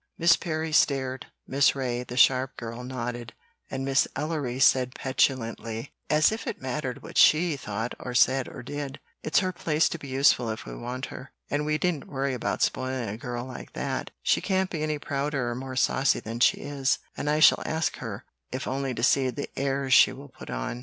Miss Perry stared; Miss Ray, the sharp girl, nodded, and Miss Ellery said petulantly, "As if it mattered what SHE thought or said or did! It's her place to be useful if we want her, and we needn't worry about spoiling a girl like that. She can't be any prouder or more saucy than she is, and I shall ask her if only to see the airs she will put on."